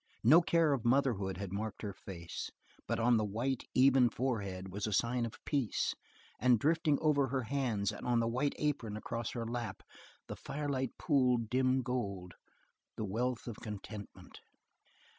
No care of motherhood had marked her face, but on the white, even forehead was a sign of peace; and drifting over her hands and on the white apron across her lap the firelight pooled dim gold, the wealth of contentment.